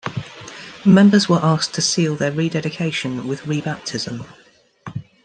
Members were asked to seal their rededication with rebaptism.